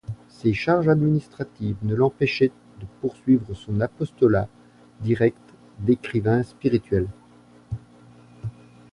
Ces charges administratives ne l’empêchaient de poursuivre son apostolat direct d’écrivain spirituel.